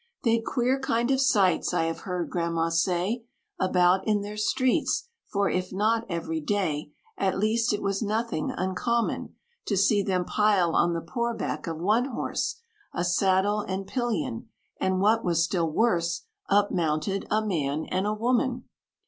"They'd queer kind of sights, I have heard Grandma' say, About in their streets; for, if not every day, At least it was nothing uncommon, To see them pile on the poor back of one horse A saddle and pillion; and what was still worse, Up mounted a man and a woman!